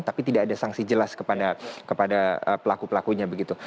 tapi tidak ada sanksi jelas kepada pelaku pelakunya begitu